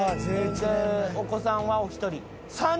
でお子さんはお一人？